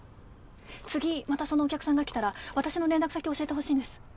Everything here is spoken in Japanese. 次またそのお客さんが来たら私の連絡先教えてほしいんです。